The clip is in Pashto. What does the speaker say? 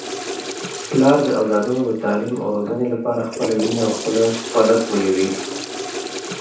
پلار د اولادونو د تعلیم او روزنې لپاره خپله وینه او خوله تویوي.